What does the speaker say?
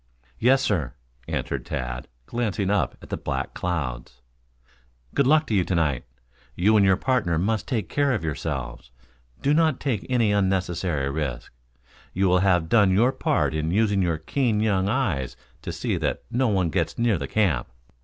"Yes, sir," answered Tad, glancing up at the black clouds. "Good luck to you to night. You and your partner must take care of yourselves. Do not take any unnecessary risk. You will have done your part in using your keen young eyes to see that no one gets near the camp."